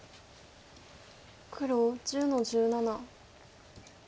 黒１０の十七。